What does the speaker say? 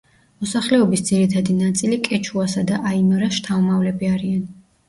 მოსახლეობის ძირითადი ნაწილი კეჩუასა და აიმარას შთამომავლები არიან.